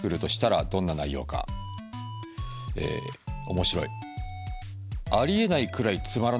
面白い。